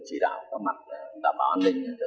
chỉ đạo các mặt đảm bảo an ninh